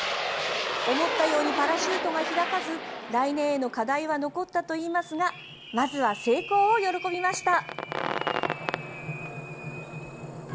思ったようにパラシュートが開かず来年への課題は残ったといいますがまずは、成功を喜びました。